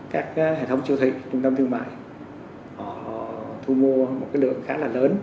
các hệ thống siêu thị trung tâm tiêu mại họ thu mua một lượng khá là lớn